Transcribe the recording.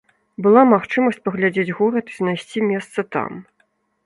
Была магчымасць паглядзець горад і знайсці месца там.